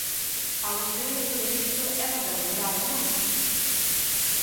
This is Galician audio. A vostedes todo isto é papel mollado, ¿non?